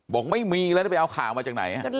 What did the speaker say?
บอกไม่มีแล้วได้ไปเอาข่าวมาจากไหน